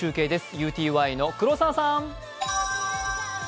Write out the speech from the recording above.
ＵＴＹの黒澤さん。